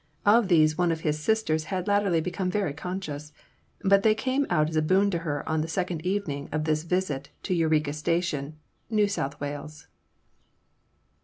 Of these one of his sisters had latterly become very conscious; but they came out as a boon to her on the second evening of this visit to Eureka Station, New South Wales.